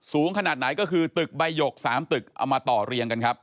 ขนาดไหนก็คือตึกใบหยก๓ตึกเอามาต่อเรียงกันครับ